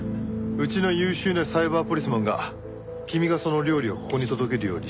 うちの優秀なサイバーポリスマンが君がその料理をここに届けるように仕向けた。